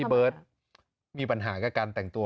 เบิร์ตมีปัญหากับการแต่งตัว